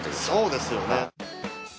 そうですよね。